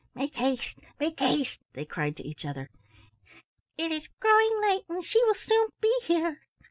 "Make haste! Make haste!" they cried to each other. "It is growing late and she will soon be here."